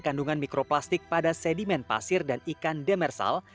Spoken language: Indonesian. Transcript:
kandungan mikroplastik pada sedimen pasir dan ikan demersal